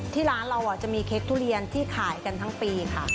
ที่ร้านเราจะมีเค้กทุเรียนที่ขายกันทั้งปีค่ะ